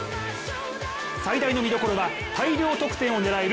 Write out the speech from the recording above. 最大の見どころは大量得点を狙える